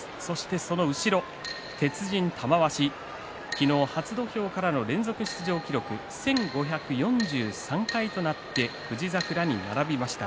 その後ろが鉄人玉鷲関の初土俵からの連続出場記録１５４３回となって富士櫻に並びました。